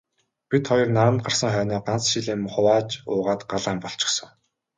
Бид хоёр наранд гарсан хойноо ганц шил юм хувааж уугаад гал хам болчихсон.